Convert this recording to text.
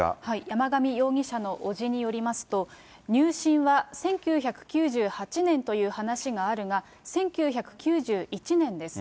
山上容疑者の伯父によりますと、入信は１９９８年という話があるが、１９９１年です。